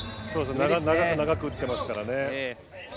長く長く打ってますからね。